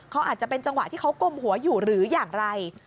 เขาอาจจะเป็นจังหวะที่เขากลมหัวอยู่หรืออย่างไร